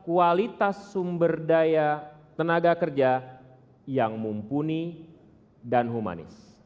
kualitas sumber daya tenaga kerja yang mumpuni dan humanis